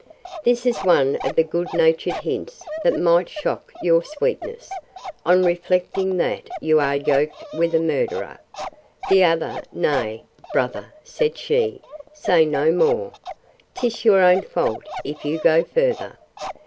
This is one of the good natured hints that might shock your sweetness, on reflecting that you are yoked with a murderer. The other—Nay, brother, said she, say no more. 'Tis your own fault if you go further.